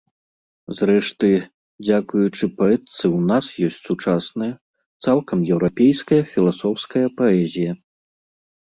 Зрэшты, дзякуючы паэтцы ў нас ёсць сучасная, цалкам еўрапейская філасофская паэзія.